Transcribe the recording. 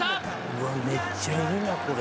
うわめっちゃいいなこれ。